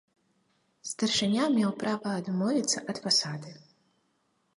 Старшыня меў права адмовіцца ад пасады.